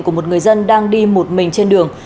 của một người dân đang đi một mình trên đường